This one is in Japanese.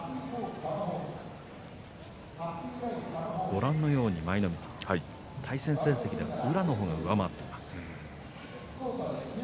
ご覧のように対戦成績でも宇良の方が上回っています。